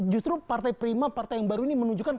justru partai prima partai yang baru ini menunjukkan